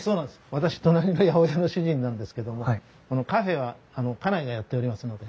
私隣の八百屋の主人なんですけどもこのカフェは家内がやっておりますので。